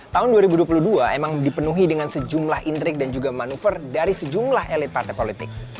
tahun dua ribu dua puluh dua emang dipenuhi dengan sejumlah intrik dan juga manuver dari sejumlah elit partai politik